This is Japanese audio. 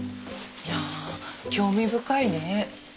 いや興味深いね。